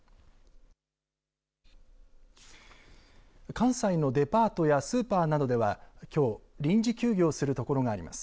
関西のデパートやスーパーなどではきょう臨時休業するところがあります。